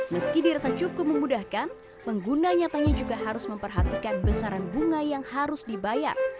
meski dirasa cukup memudahkan pengguna nyatanya juga harus memperhatikan besaran bunga yang harus dibayar agar tak terlilit hutang